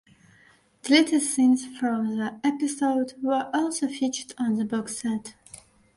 Deleted scenes from the episode were also featured on the box set.